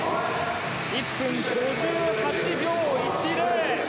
１分５８秒１０。